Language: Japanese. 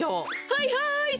はいはい！